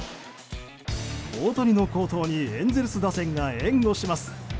大谷の好投にエンゼルス打線が援護します。